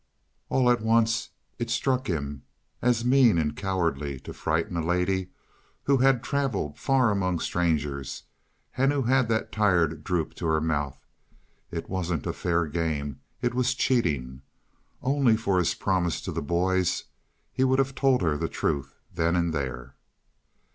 All at once it struck him as mean and cowardly to frighten a lady who had traveled far among strangers and who had that tired droop to her mouth. It wasn't a fair game; it was cheating. Only for his promise to the boys, he would have told her the truth then and there.